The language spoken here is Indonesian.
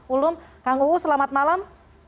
ulum kang uu selamat malam